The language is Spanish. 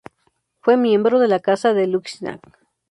Fue miembro de la Casa de Lusignan.